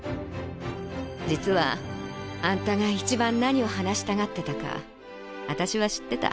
実はあんたが一番何を話したがってたかあたしは知ってた。